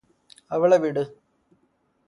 അവളെ വിട്